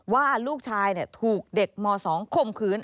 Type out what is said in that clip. ว่าลูกชายถูกเด็กม๒ข่มขืน